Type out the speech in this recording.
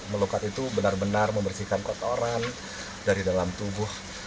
melukat itu benar benar membersihkan kotoran dari dalam tubuh